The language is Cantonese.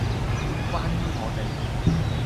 關於我地